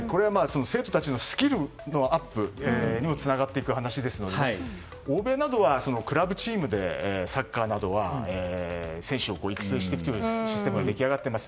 生徒たちのスキルのアップにもつながっていく話ですので欧米はクラブチームでサッカーなどは選手を育成していくシステムが出来上がってます。